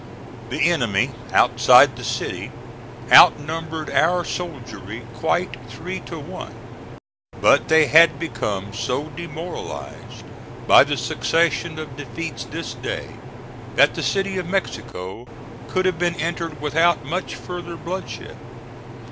The enemy outside the city outnumbered our soldiery quite three to one, but they had become so demoralized by the succession of defeats this day, that the City of Mexico could have been entered without much further bloodshed.